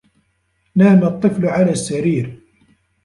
نَامَ الطِّفْلُ عَلَى السَّرِيرِ.